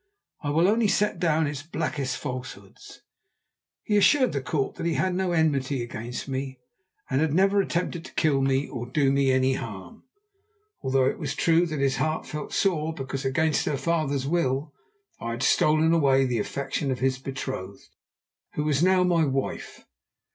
I will only set down its blackest falsehoods. He assured the court that he had no enmity against me and had never attempted to kill me or do me any harm, although it was true that his heart felt sore because, against her father's will, I had stolen away the affection of his betrothed, who was now my wife.